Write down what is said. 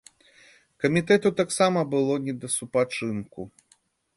Камітэту таксама было не да супачынку.